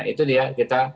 itu dia kita